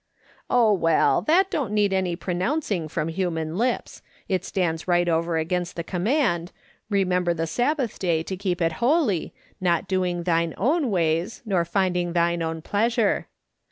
" Oh, well, that don't need any ' pronouncing' from human lips; it stands right over against the com mand, ' llemcmber the Sabbath day to keep it holy, not doing thine own ways, nor finding thine own pleasure.'